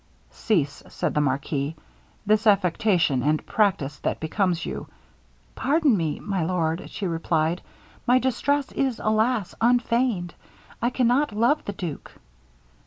'Cease,' said the marquis, 'this affectation, and practice what becomes you.' 'Pardon me, my lord,' she replied, 'my distress is, alas! unfeigned. I cannot love the duke.'